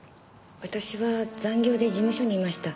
私は残業で事務所にいました。